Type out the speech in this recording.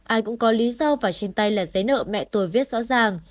ai cũng có lý do và trên tay là giấy nợ mẹ tôi viết rõ ràng